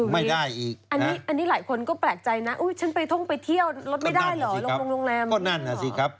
ไม่ได้อีกอันนี้หลายคนก็แปลกใจนะฉันไปท่องไปเที่ยวรถไม่ได้เหรอลงโรงแรมก็นั่นน่ะสิครับ